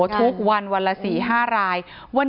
ทุกวันวันละ๔๕ราย